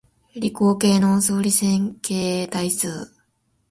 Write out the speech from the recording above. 理工系の数理線形代数